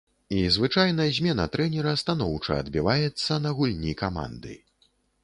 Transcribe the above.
І звычайна змена трэнера станоўча адбіваецца на гульні каманды.